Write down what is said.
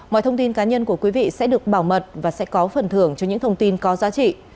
mọi thông tin cá nhân của quý vị sẽ được bảo mật và sẽ có phần thưởng cho những thông tin có giá trị